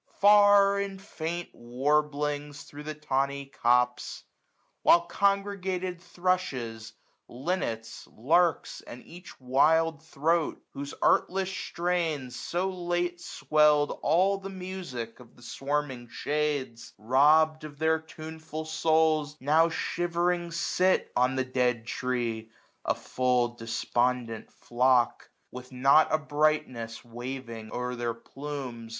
Far, in faint warblings, thro' the tawny copse. While congregated thrushes, linnets, larks. And each wild throat, whose artless strains so late 975 6 weird all the music of th^ ^warming shades. x;8 AUTUMN. Robb'd of their tuneful souls, now shivering sit On the dead tree, a full despondent flock ; With not a brightness waving o'er their plumes.